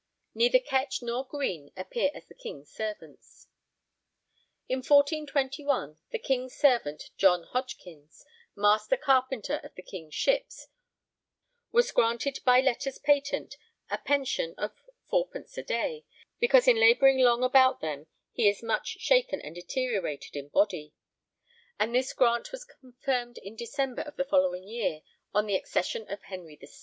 Neither Kech nor Grene appear as the King's servants. In 1421 the 'King's servant' John Hoggekyns, 'master carpenter of the king's ships,' was granted by letters patent a pension of fourpence a day, 'because in labouring long about them he is much shaken and deteriorated in body,' and this grant was confirmed in December of the following year on the accession of Henry VI.